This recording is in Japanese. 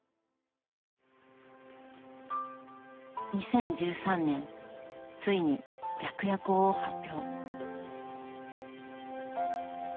２０１３年ついに「白夜行」を発表。